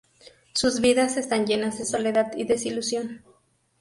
Sus vidas están llenas de soledad y desilusión.